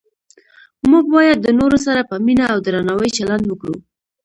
موږ باید د نورو سره په مینه او درناوي چلند وکړو